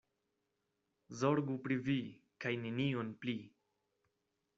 Zorgu pri vi, kaj nenion pli.